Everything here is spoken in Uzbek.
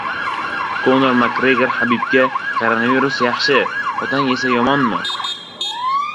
Konor Makgregor Habibga: "Koronavirus yaxshi, otang esa yomonmi?"